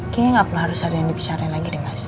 kayaknya enggak pernah harus ada yang dibicarain lagi mas